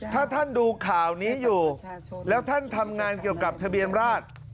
ถ้าท่านดูข่าวนี้อยู่แล้วท่านทำงานเกี่ยวกับทะเบียนราช